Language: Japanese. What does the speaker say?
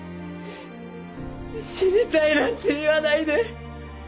「死にたい」なんて言わないで。